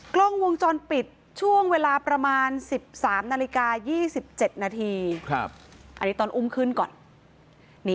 กล้องวงจรปิดช่วงเวลาประมาณ๑๓นาฬิกา๒๗นาทีอันนี้ตอนอุ้มขึ้นก่อน